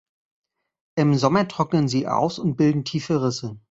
Im Sommer trocknen sie aus und bilden tiefe Risse.